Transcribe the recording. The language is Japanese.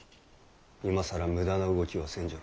今更無駄な動きはせんじゃろう。